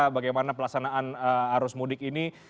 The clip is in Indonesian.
bagaimana pelaksanaan arus mudik ini